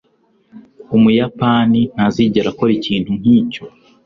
Umuyapani ntazigera akora ikintu nkicyo.